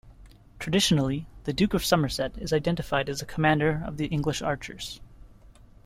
Traditionally, the Duke of Somerset is identified as the commander of the English archers.